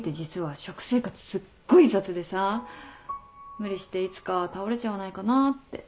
無理していつか倒れちゃわないかなって。